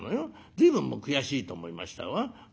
随分悔しいと思いましたわ。